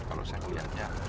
kalau saya melihatnya